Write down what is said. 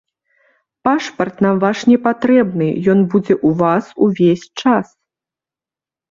Пашпарт нам ваш не патрэбны, ён будзе ў вас увесь час.